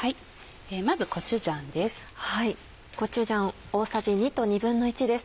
まずコチュジャンです。